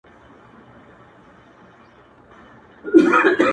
ستا د يادو لپاره’